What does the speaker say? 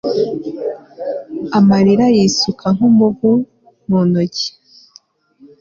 amarira y'isuka nk'umuvu mi ntoki